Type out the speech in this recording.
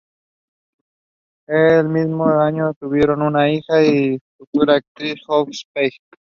Ese mismo año tuvieron una hija, la futura actriz Joy Page.